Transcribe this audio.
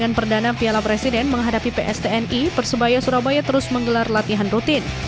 pertandingan perdana piala presiden menghadapi pstni persebaya surabaya terus menggelar latihan rutin